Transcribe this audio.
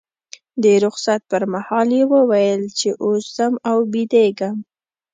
د رخصت پر مهال یې وویل چې اوس ځم او بیدېږم.